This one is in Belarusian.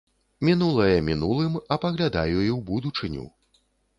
Мінулае мінулым, а паглядаю і ў будучыню.